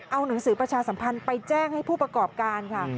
เอาหนังสือประชาสัมพันธ์ไปแจ้งให้ผู้ประกอบการค่ะ